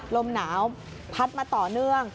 ลมหนาวพัดมาต่อเนื่อง